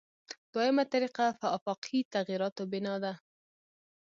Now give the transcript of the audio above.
دویمه طریقه په آفاقي تغییراتو بنا ده.